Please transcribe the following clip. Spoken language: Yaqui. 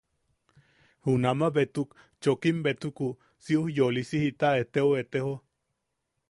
Junama betuk, chokim betuku si ujyolisi jita eteu etejone.